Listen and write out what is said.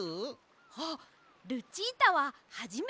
あっルチータははじめてですね！